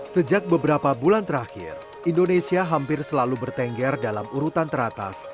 sejak beberapa bulan terakhir indonesia hampir selalu bertengger dalam urutan teratas